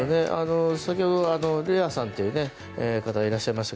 レアさんという方がいらっしゃいましたが